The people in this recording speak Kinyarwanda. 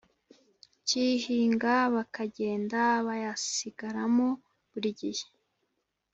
cy’ihinga bakagenda bayasigaramo buri gihe